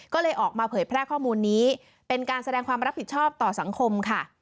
ก็เลยออกมาเผยแพร่ข้อมูลนี้เป็นการแสดงความรับผิดชอบต่อสังคมค่ะ